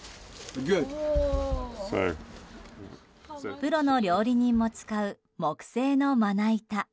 プロの料理人も使う木製のまな板。